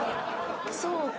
そうか。